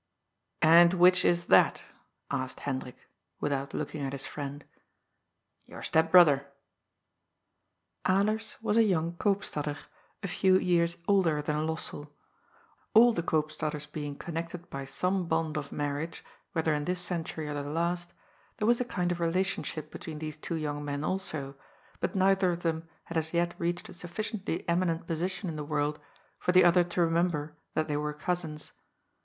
*'And which is that?" asked Hendrik, without looking at his friend. "Your step brother." Alers was a young Koopstader, a few years older than Lossell. All the Eoopstaders being connected by some bond of marriage, whether in this century or the last, there was a kind of relationship between these two young men also, but neither of them had as yet reached a sufficiently eminent position in the world for the other to remember that they were cousins.